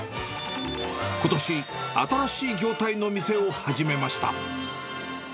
ことし、新しい業態の店を始めました。